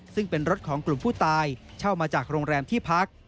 ซึ่งเป็นรถของกลุ่มผู้ตายเช่ามาจากโรงแรมที่พัก